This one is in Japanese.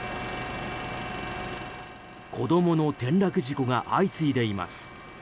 子供の転落事故が相次いでいます。